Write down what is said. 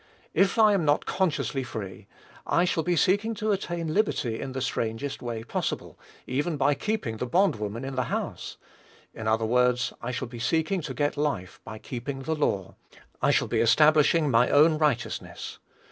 If I am not consciously free, I shall be seeking to attain liberty in the strangest way possible, even by keeping the bond woman in the house; in other words, I shall be seeking to get life by keeping the law; I shall be establishing any own righteousness.